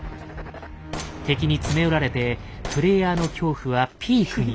敵に詰め寄られてプレイヤーの恐怖はピークに。